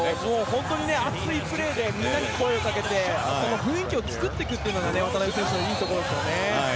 本当に熱いプレーでみんなに声をかけてその雰囲気を作っていくことが渡邊選手のいいところですよね。